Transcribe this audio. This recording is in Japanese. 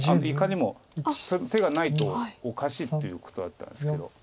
いかにも手がないとおかしいということだったんですけど。